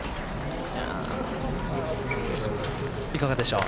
いかがでしょう。